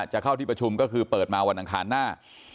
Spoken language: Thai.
จะเข้าที่ประชุมก็คือเปิดมาวันอังคารหน้า